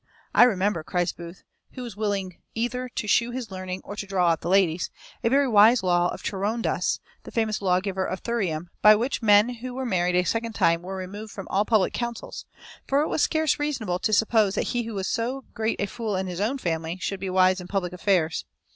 "I remember," cries Booth (who was willing either to shew his learning, or to draw out the lady's), "a very wise law of Charondas, the famous lawgiver of Thurium, by which men who married a second time were removed from all public councils; for it was scarce reasonable to suppose that he who was so great a fool in his own family should be wise in public affairs.